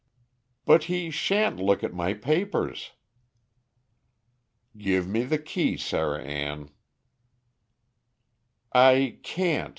"But he sha'n't look at my papers." "Give me the key, Sarah Ann." "I can't.